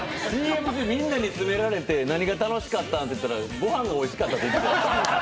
みんなに詰められて何が楽しかったって言ったらご飯がおいしかったって。